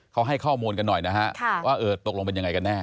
เขาให้ข้อมูลกันหน่อยนะฮะว่าเออตกลงเป็นยังไงกันแน่